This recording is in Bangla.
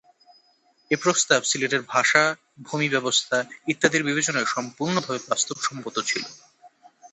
এ প্রস্তাব সিলেটের ভাষা, ভূমিব্যবস্থা ইত্যাদির বিবেচনায় সম্পূর্ণভাবে বাস্তবসম্মত ছিল।